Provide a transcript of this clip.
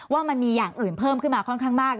ว่ามันมีอย่างอื่นเพิ่มขึ้นมาค่อนข้างมาก